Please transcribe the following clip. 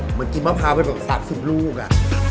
เหมือนกินมะพร้าวเป็นประสาทสุดลูกอะ